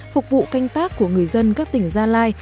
phục vụ canh tác của người dân các tỉnh gia lai